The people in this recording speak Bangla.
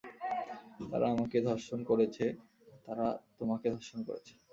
তারা আমাকে ধর্ষণ করেছে, তারা তোমাকে ধর্ষণ করেছে।